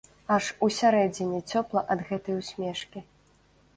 Аж усярэдзіне цёпла ад гэтай усмешкі.